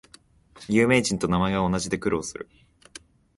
有名人と名前が同じで苦労する